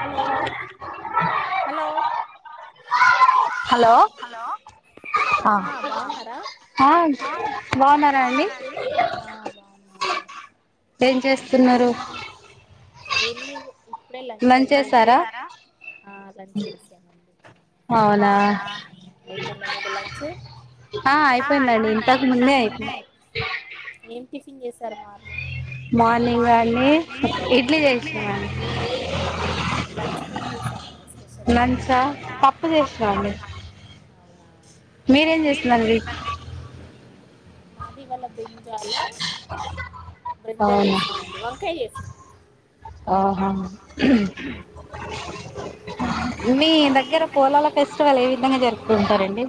Hello hello hello ఆ బాగున్నారా ఆ బాగున్నామ్ ఏం చేస్తున్నారు ఏమి లేదు ఇప్పుడే లంచ్ అయిపోయింది ఆ లంచ్ చేసామండి అవునా ఆ అయిపోయిందడి ఇంతకముందే అయి టిఫిన్ చేసారు మా మార్నింగా అండి ఇడ్లీ చేసినామండి లంచ్ కి ఏం చేసారు మరి స్పెషల్ మీరేం చేస్తున్నారు అండి మాది ఇవాళ్ల బ్రింజాలు బ్రింజాల్ చేసినింది వంకాయ్ చేసినా ఆహా మీ దగ్గర పోలాల ఫెస్టివల్ ఏ విధంగా జరుపుకుంటారండి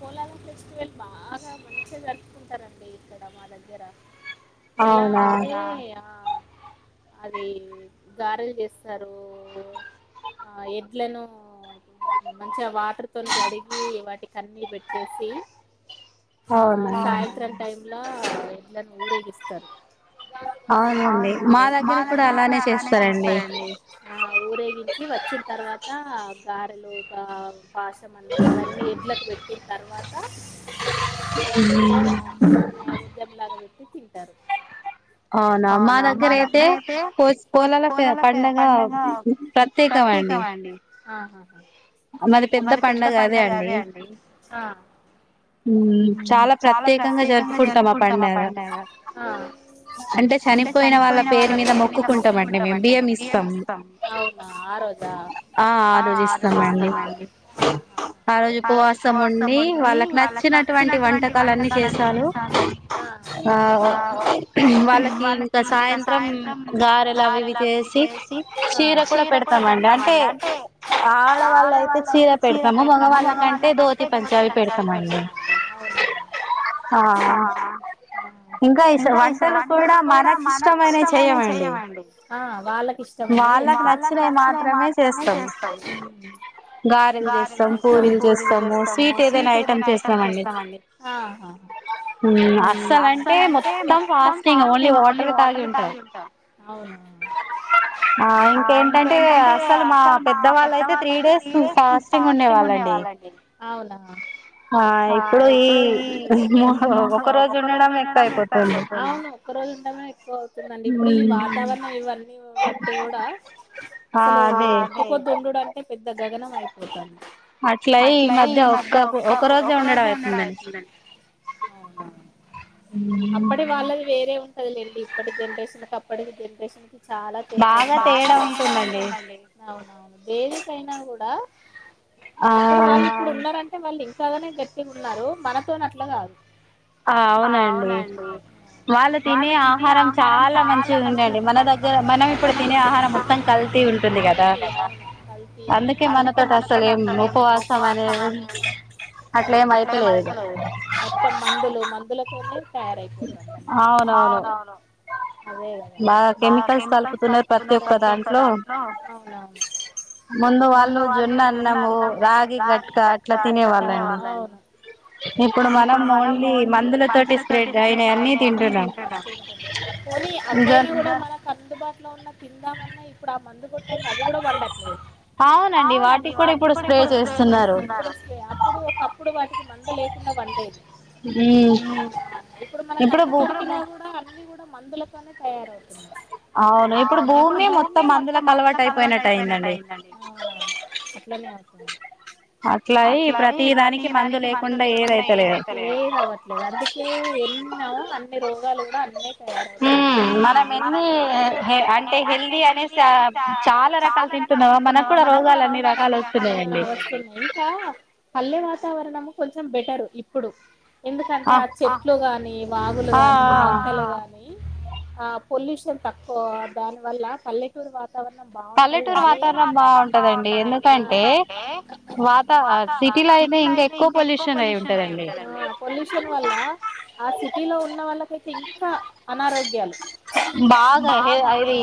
పోలాల ఫెస్టివల్ బాగా మంచిగా జరుపుకుంటారండి ఇక్కడ మా దగ్గర ఇలా ఆపి ఆ అది గారెలు చేసారు ఆ ఎడ్లను మంచిగా వాటర్ తో జడిగి వాటి కన్నీ పెట్టేసి ఆ సాయంత్రం టైం ఇళ్ళ ఎడ్లను ఊరేగిస్తారు అవునండి మా దగ్గర కూడా అలానే చేస్తారండి ఊరేగించి వచ్చిన తర్వాత్ గారెలు ఒక పాసమన్న అవన్నీ ఎడ్లకి పెట్టిన తర్వాత అ నైవేద్యం లాగా పెట్టి తి టారు అవునా మా దగ్గర అయితే పోచ్ ఫోన్లాలో పండగ ప్రత్యేకం అండి మది పెద్ద పండుగ అదే అండి ఆ మ్మ్ చాలా ప్రత్యేకంగా జరుపుకుంటాం ఆ పండగ అంటే చనిపోయిన వాళ్ళ పేరు మీద మొక్కుకుంటాం అండి మేము బియ్యం ఇస్తాం ఆ ఆ రోజు ఇస్తామండి ఆ రోజు ఉపవాసం మళ్ళీ వాళ్ళకి నచ్చినటువంటి వంటకాలన్ని చేసాలు ఆ వాళ్ళకి ఇంకా సాయంత్రం గారెలు అవి ఇవి చేసి చీరక పెడతామండి అంటే ఆడవాళ్ళ అయితే చీర పెడతాము మగవాళ్ళ కంటే దోతి ధోతి పంచలు పెడతం అండి ఆ ఆ ఇంకా ఇ వంటలు కూడా మనకి ఇష్టమైనవి చెయ్యమండి ఆ వాళ్లకి ఇష్టమైనవి వాళ్లకు నచ్చినవి మాత్రమే చేస్తాం గారెలు చేస్తాం పూరీలు చేస్తాము స్వీట్ ఏదన్నా ఐటమ్ చేస్తామండి మ్మ్ అస్సలు అంటే మొత్తం ఫాస్టింగ్ ఓన్లీ వాటర్ తాగి ఉంటాము ఆ ఇంకేంటంటే అసలు మా పెద్దవాళ్ళు వాళ్లు అయితే త్రీ డేస్ ఫాస్టింగ్ ఉండేవాళ్ళండి ఆ ఇప్పుడు ఈ ఒక రోజు ఉండడం ఎక్కువ అయిపోతుంది ఒక్క రోజు ఉండాడమే ఎక్కువ అవుతుందండి ఇప్పుడు ఈ వాతావరణం ఇవన్నీ బట్టి కూడా అసలు ఒక్కపొద్దు ఉండుడంటే పెద్ద గగనం అయిపోతాంది అట్లాయి అట్లాయి ఈ మధ్య ఒక్క ఒక రోజే ఉండడం అయితుందండి అప్పడి వాళ్లది వేరే ఉంటాయి లేండి ఇప్పటి జనరేషన్ కి అప్పటి జనరేషన్ కి బాగా తేడా ఉంటుందండి అవునవును దేనికైన కూడా ఆ వాళ్లు ఇప్పుడు ఉన్నారంటే వాళ్లు ఇంకాగనే గట్టిగా ఉన్నారు మనతోని అట్లా కాదు అ అవునండి వాళ్లు తినే ఆహారం చాలా మంచిగా ఉండే అండి మన దగ్గర మనం ఇప్పుడు తినే ఆహారం మొత్తం కల్తి అందుకే మనతోటి అసలు ఏం ఉపవాసం అని అట్ల ఏం అవుతాలేదు కదా మందులతోనే తయారైపోతుండా అన్నీ కూడా అదే కదా బాగా కెమికల్స్ కలుపుతున్నారు ప్రతి ఒక దాంట్లో ముందు వాళ్లు జొన్న అన్నం ఆ రాగి గట్క అట్లా తినేవాళ్లు ఇప్పుడు మనం ఓ ఒన్లీ మందుల తోటి స్పేర్డ్ అయినవి అన్నీ తింటున్నం [unintelligible] తిందామన్నా ఇప్పుడు ఆ మందు కొట్టంది అవి కూడా పండట్లేదు అప్పుడు ఒకప్పుడు వాటికి మందు లేకుండా పండేది ఉన ఇప్పుడు మనకు అన్ని దొరికిన కూడా అన్ని కూడా మందులతోనే తయారు అవును ఇప్పుడు భూమి మొత్తం మందులకు అలవాటు అయిపోయినట్టు అయిందండి అచ్ అట్లా అయ్యి ప్రతీ దానికి మందు లేకుండా ఏదైతలేదు ఏదీ అవ్వట్లేదు అందుకే ఎన్నో అన్ని రోగాలు కూడా అన్నే మ్మ్ మనం ఎన్ని అంటే హెల్ది అనేసి చాల తింటున్నామా మనకు కూడా రోగాలు అన్ని రకాలు వస్తున్నాయ ఆ వస్తున్నాయి ఇంకా పల్లె వాతావరణం కొంచెం బెటర్ ఇప్పుడు ఎందుకంటే ఆ చెట్లు గాని వాగులు గాని మొక్కలు గాని ఆ పొల్యూషన్ తక్కువ దాని వల్ల పల్లెటూరు వాతా వరణం బాగుంటది కాని పల్లెటూరు వాతావరణం బాగుంటదండి ఎందుకంటే వాతావర సిటీలో అయితే ఇంకా ఎక్కువ పొల్యూషన్ అయి ఉంటందండి ఆ పొల్యూషన్ వల్ల ఆ సిటీలో ఉన్న వాళ్లకైతే ఇంకా అనారోగ్యాలు బాగా హ ఇది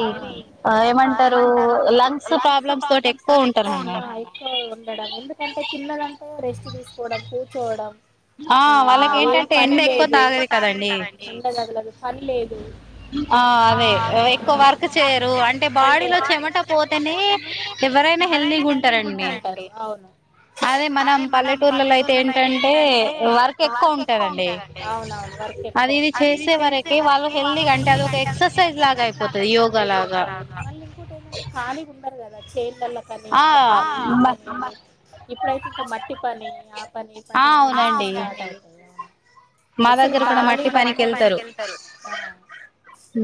ఏమంటారు లంగ్స్ ప్రాబ్లమ్స్ తోటి ఎక్కువ ఉంటారండి ఉండడం ఎందుకంటే తిన్నదంటే రెస్ట్ తీసుకోవడం కూర్చోవడం ఆ వాళ్లకి ఏం పని లేదు ఎండ ఎక్కువ తగలదు కదండి ఎండ తగలదు పని లేదు ఆ అదే ఎక్కువ వర్క్ చేయరు అంటే బాడీలో చెమట పోతేనే ఎవరైనా హెల్దీగా ఉంటారండి అవును అదే మనం పల్లెటూర్లలో అయితే ఏంటంటే వర్క్ ఎక్కువ ఉంటందండి అవున అది ఇది చేసే వరకి వాళ్ళు హెల్తీగా క అంటే అ ఎక్సర్సైజ్ లాగా అయిపో మళ్ళీ ఇంకోటి ఏంటే ఖాళీగా ఉండ కద చేల్లల పని పని ఇప్పుడైతే ఇంకా మట్టి పని ఆ పని పని అన్ని అసల్ కాలి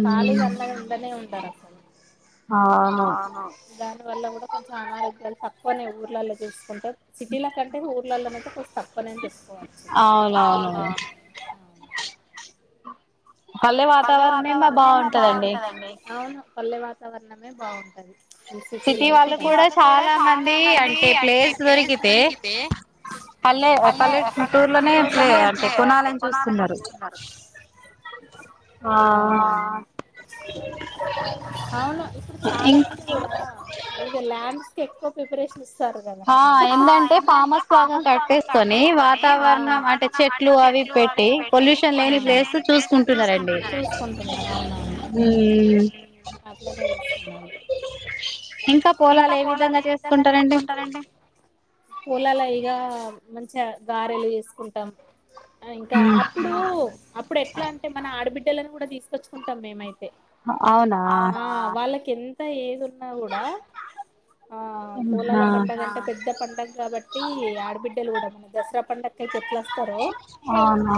కలిగ అన్న ఉండనే ఉంటు డరు అసలు అవును దాన్ని వల్ల కూడా కొంచెం అనారోగ్యాలు తక్కువ ఊర్లల్లో చూసుకుంటారు సిటీల కంటే ఊర్లలోనేయితే కొ తక్కువనే చెప్ారు అవునవు అవును పల్లె వాతావరణే మా బాగుంటదండి అవును పల్లె వాతావరణమే బాగుంటది సిటీ సిటీ వాళ్ళ కూడా చాలా మంది అంటే ప్లేస్ దొరికితే పల్లె పల్లె చిత్తూరులోనే ఇకునాలని చూస్తున్నారు అవును అవునా ఇప్పుడు చాలా మంది కూడా ఇక ల్యాండ్స్ కి ఎక్కువ ఆ ఎందంటే ఫార్మస్ బాగా కట్టేసుకొని వాతావరణం అంటే చెట్లు అవి పెట్టి పొల్యూషన్ లేని ప్లేస్ చూసుకుంటా చసుకుంటున్నారు అవున అట్లనే చేస్తున్నారు ఇంకా పొలాలు ఏ విధంగా చేసుకుంటారండి పోలలు ఇగా మంచిగా గారెలు వేసుకుంటాం ఇంకా అప్పుడు అప్పుడు ఎట్లా అంటే మన ఆడబిడ్డలను కూడా తీసుకొచ్చుకుంటాం మేమైతే అవునా క ఎంత ఏది ఉన్నా కూడా ఆ పూలాల పండగ అంటే పెద్ద పండగ కాబట్టి ఆడబిడ్డలు కూడా మ దసరా పండగ అయితే ఎట్లా వస్తారో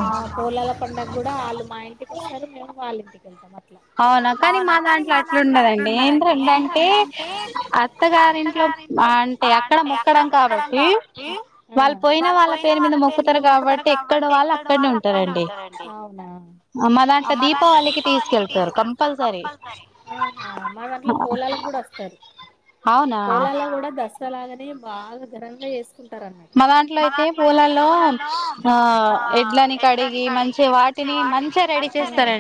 ఆ పూలాల పండగ కూడా ఆలు మా ఇంటికి వస్తారు మేము వాళ్ళ ఇంటికిళ్తాం అవునా కానీ మా దాంట్లో అట్లుండదండి ఏంటంట అంటే అత్తగా ఇంట్లో అంటే అక్కడ మొక్కడం కావటి వాళ్ళు పోయిన వాళ్ళ పేరు మీద మొ రు కాబట్టి ఎక్కడ వాళ్ళు అక్కడనే ఉంటారండి అవునా మా దాంట్లో దీపావళికి తీసుకెళ్తారు తీకెళ్త కంపల్ర మా పట్లో పొలాలకు కూడా వస్తారు పూలాల్లో కూడా దసరా లాగానే బాగా ఘనంగా వేసుకుంట దాంట్లో ెడీ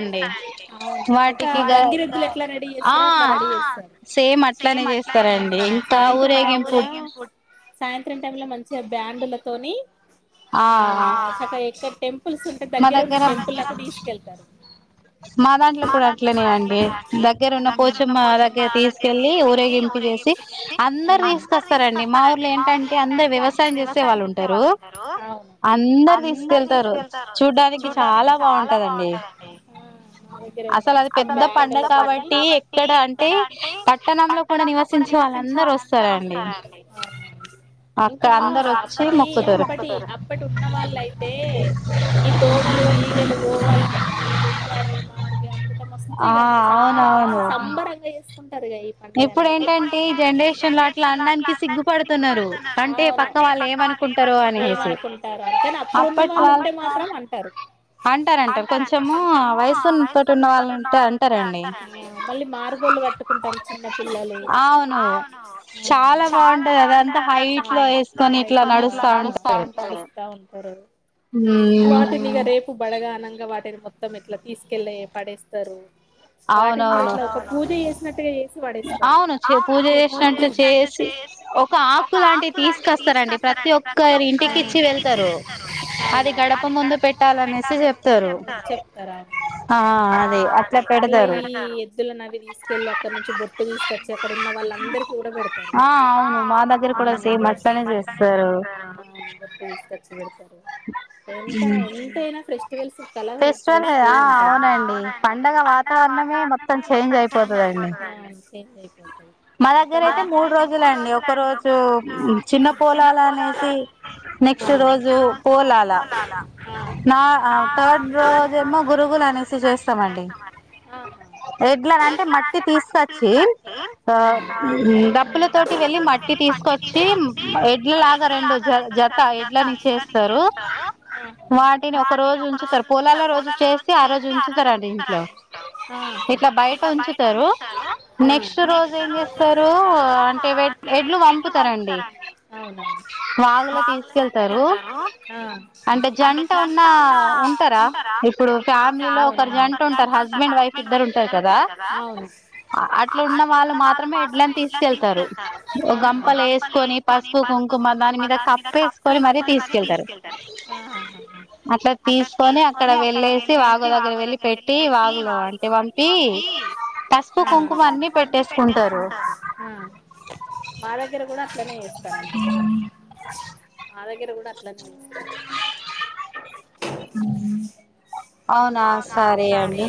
అవును ఒక గంగి రెద్దులు ఎట్లా రెడీ చేస్తారో అట్లా రెడీ చేస్తారు సేమ్ అట్లనే చేస్తారండి ఇంకా ఊరేగింపు సాయంత్రం టైమ్ లో మంచిగా బ్యాండుల తోనీ ఆ చక్క ఎక్కడ టెంపుల్స్ ఉ దగ్గర ఉన్న టెంపుల్లకు తీసుకెళ్తారు. మా దాంట్ల కూడ అట్లనే అండి దగ్గర ఉన్న పోచమ్మ దగ్గర తీసుకెళ్ళీ ఊరేగిం పు చేసి అందరు తీసుకొస్తరండి, మా ఊర్లో ఏంటంటే అందరు వ్యవసాయం చేసే వాళ్ళు ఉంటరు. అందరు తీసుకెళ్తరు చూడ్డానికి చాలా బాగుంటది. బాగుంటాదండి అ మా దగ్గర గూడ మస్తు బ్యాండుల తోని ఆ అవునా ఇంకా అప్పటి అప్పటి అప్పటి ఉన్న వాళ్ళయితే ఈ దోమలు అ పోవళ్ళని డెంగ్యూ [unintelligible] మస్తు ఇగ చాలా సంబరంగా చేసుకుంటరు ఇగ ఈ పండగని అయితే టంటే జనరేషన్ లో అట్ల అన్డానికి సిగ్గుపడుతున్నారు. అంటే పక్క వాళ్ళు ఏమనుకుంటారో అని! ఏమనుకుంటారో అని కానీ, అప్పుడు ఉన్న వాళ్ళు ఉంటే మాత్రం అంటారు. అంటరంటారు కొంచము వయసు తోటి ఉన్న వాళ్ళుంటే అంటారండి, మళ్ళీ మాదిగో కట్టుకుంటారు చిన్న పిల్లలు. అవును మ్ చాలా బాగుంటది అదంతా పై ఇట్లా ఈ పని ఇట్ల నడుస్తా ఉంటరు. వాటిని ఇగ రేప్ బడగానంగా వాటిని మొత్తం ఇట్ల తీసుకెళ్ళి పడేస్తరు. వాటిని గూడ ఇట్ల ఒక పూజ చేసినట్టుగా చే అవును చె పూజ చేసినట్టు చేసి, ఒక ఆకు లాంటిది తీసుకస్తరండి. ప్రతి ఒక్కరి ఇంటికి ఇచ్చి వెళ్తరు. అది గడప ముందు పెట్టాలనేసి చెప్త చెప్తరు అవునవును. మళ్ళీ ఎద్దులనవీ తీసుకెళ్ళీ అక్కడి నుంచి బొ ట్టు తీసుకచ్చి అక్కడున్న వాళ్ళందరికి కూడా పెడుతరు. ఆఁ అవును మ్ మా దగ్గర సేమ్ అట్లనే జర్ బొట్టు తీసుకచ్చి బెడతారు ఎంత ఎంతైనా ఫ్రెష్ యీ సుట్టాల [unintelligible] ఆఁ అవునండి పండగ వాతావరణమే మొత్తం చేంజ్ అయిపో తది. ఆ చేంజ్ అయిపోతది. మా దగ్గర అయితే మూడు రోజులండి ఒక రోజు చిన్న పొలలు అనేసి, నెక్స్ట్ రోజు పోలాల నా ఆ థర్డ్ రోజేమో గురుగులు అనేసి చేస్తమండి. ఎడ్లనంటే మట్టి తీసుకొచ్చి ఆ డప్పుల తోటి వెళ్ళి మట్టి తీసుకొచ్చి ఎడ్ల లాగా రెండు జ జత ఎడ్లనిచ్చేస్తరు. వాటిని ఒక రోజు ఉంచుతరు పొలాల రోజు చేస్తే ఆ రోజు ఉంచుతరు అండి ఇంట్లో. ఇట్ల బయట ఉంచుతరు ఉంచుతరు, ఆఁ ఇంకో రోజు ఏం చేస్తారు అంటే వెడ్ ఎడ్లు పంపుతరండి. వాగుల తీసుకెళ్తరు అంటే జంట ఉన్నా ఆ ఉంటరా ఇప్పుడు ఫ్యామిలీలో ఒకరు జంట ఉంటరు హస్బెండ్, వైఫ్ ఇద్దరు ఉంటరు కదా! అ అట్ ఇట్ల ఉన్న వాళ్ళు మాత్రమే ఎడ్లని తీసుకెళ్తారు. ఓ గంపలేసుకొని పసుపు, కుంకుమల మా దాని మీద కప్పేసుకొని మరీ తీసుకెళ్తరు. ఆ ఆఁ ఆఁ ఆఁ తీసుకొని అక్కడ వెళ్ళేసి వాగు దగ్గర వెళ్ళి పెట్టి, వాగులో అంటే వంపీ, పసుపు కుంకుమ అన్ని పెట్టేకుంటరు. మ్ మా దగ్గర కూడ అట్లనే చేస్తరండి. మా దగ్గర గూడ అట్లనే చేస్తరు. మ్ మ్ అవునా సరే అండి.